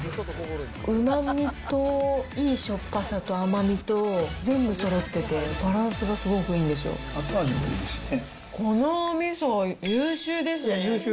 うまみといいしょっぱさと甘みと全部そろってて、バランスがすご後味もいいですね。